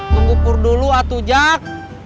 tunggu pur dulu atuh jak